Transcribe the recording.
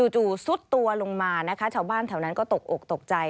ซุดตัวลงมานะคะชาวบ้านแถวนั้นก็ตกอกตกใจ